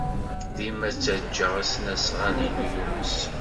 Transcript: Dima ttajjaɣ asnasɣal-inu yumes.